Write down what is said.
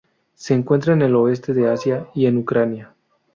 Se encuentra en el oeste de Asia y en Ucrania.